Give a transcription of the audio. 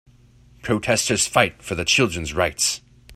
Protesters fight for the children 's rights.